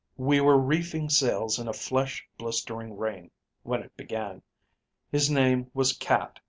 "We were reefing sails in a flesh blistering rain, when it began. His name was Cat.